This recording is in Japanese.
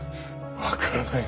わからないな